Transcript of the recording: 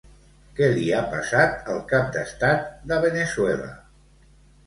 Què li ha passat al cap d'estat de Veneçuela?